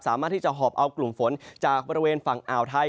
สามารถที่จะหอบเอากลุ่มฝนจากบริเวณฝั่งอ่าวไทย